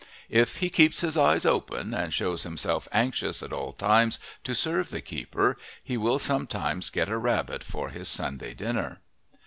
If he "keeps his eyes open" and shows himself anxious at all times to serve the keeper he will sometimes get a rabbit for his Sunday dinner.